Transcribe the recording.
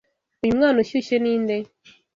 Uyu mwana ushyushye ninde?